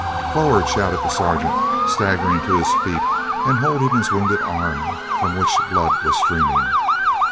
"Forward!" shouted the Sergeant, staggering to his feet, and holding his wounded arm, from which the blood was streaming.